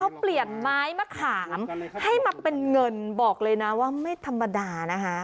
เขาเปลี่ยนไม้มะขามให้มาเป็นเงินบอกเลยนะว่าไม่ธรรมดานะคะ